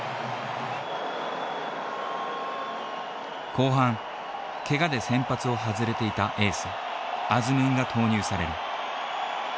後半けがで先発を外れていたエースアズムンが投入される。